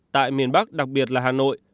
tại miền bắc đặc biệt là hà nội